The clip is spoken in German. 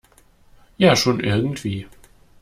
Ja, schon irgendwie.